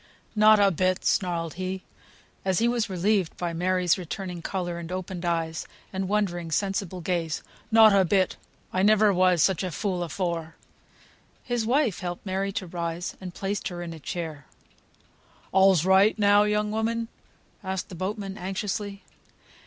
"Not a bit!" snarled he, as he was relieved by Mary's returning colour, and opened eyes, and wondering, sensible gaze; "not a bit! I never was such a fool afore." His wife helped Mary to rise, and placed her in a chair. "All's right now, young woman?" asked the boatman, anxiously.